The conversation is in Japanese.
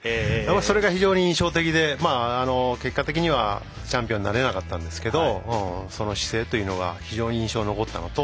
それが非常に印象的で結果的にはチャンピオンになれなかったんですけどその姿勢というのが非常に印象に残ったのと